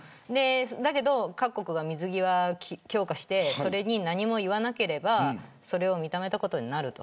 だけど、各国が水際を強化してそれに何も言わなければそれを認めたことになると。